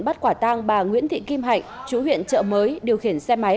bắt quả tang bà nguyễn thị kim hạnh chú huyện trợ mới điều khiển xe máy